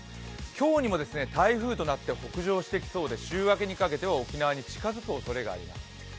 今日にも台風となって北上してきそうで、週明けにかけては、沖縄に近づくおそれがあります。